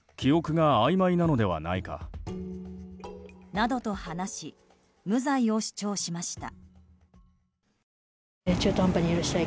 などと話し無罪を主張しました。